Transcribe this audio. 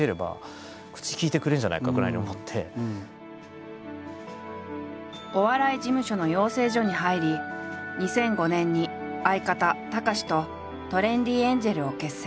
業界だしお笑い事務所の養成所に入り２００５年に相方たかしとトレンディエンジェルを結成。